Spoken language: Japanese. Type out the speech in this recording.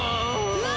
うわ！